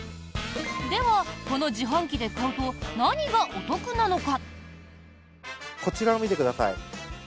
では、この自販機で買うと何がお得なのか？